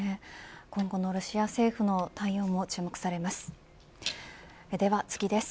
今後のロシア政府の対応も注目されます。